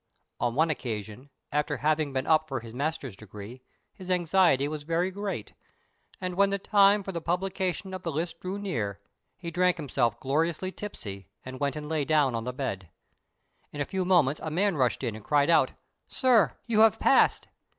On one occasion, after having been up for his master's degree, his anxiety was very great; and when the time for the publication of the list drew near, he drank himself gloriously tipsy, and went and lay down on the bed. In a few moments a man rushed in, and cried out, "Sir! you have passed!"